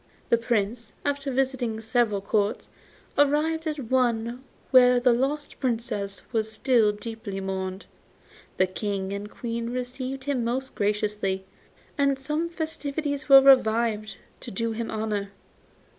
The Prince, after visiting several Courts, arrived at the one where the lost Princess was still deeply mourned. The King and Queen received him most graciously, and some festivities were revived to do him honour.